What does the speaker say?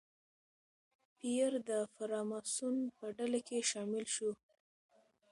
پییر د فراماسون په ډله کې شامل شو.